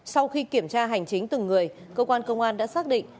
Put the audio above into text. sau khi kiểm tra hành chính từng người cơ quan công an đã xác định